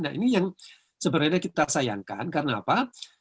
nah ini yang sebenarnya kita sayangkan karena apa